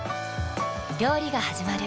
料理がはじまる。